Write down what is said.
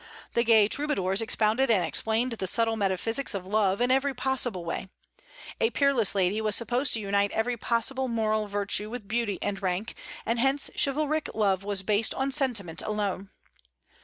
The gay troubadours expounded and explained the subtile metaphysics of love in every possible way: a peerless lady was supposed to unite every possible moral virtue with beauty and rank; and hence chivalric love was based on sentiment alone.